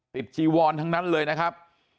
จีวอนทั้งนั้นเลยนะครับ